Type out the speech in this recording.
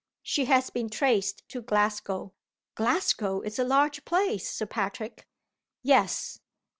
"She has been traced to Glasgow." "Glasgow is a large place, Sir Patrick." "Yes.